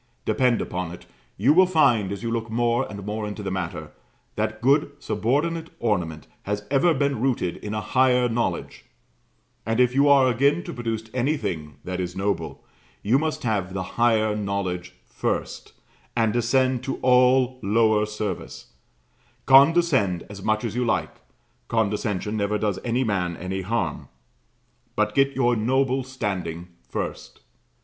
Depend upon it you will find, as you look more and more into the matter, that good subordinate ornament has ever been rooted in a higher knowledge; and if you are again to produce anything that is noble, you must have the higher knowledge first, and descend to all lower service; condescend as much as you like, condescension never does any man any harm, but get your noble standing first.